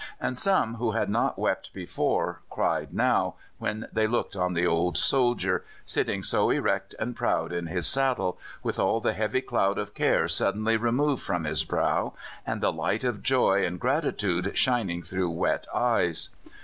And some who had not wept before cried now when they looked on the old soldier, sitting so erect and proud in his saddle, with all the heavy cloud of care suddenly removed from his brow and the light of joy and gratitude shining through wet eyes.